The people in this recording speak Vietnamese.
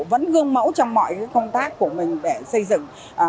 vẫn gương mẫu trong mọi công tác của mình để xây dựng